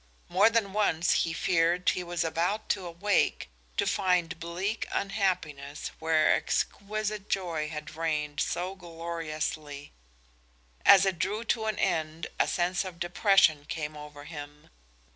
More than once he feared that he was about to awake to find bleak unhappiness where exquisite joy had reigned so gloriously. As it drew to an end a sense of depression came over him.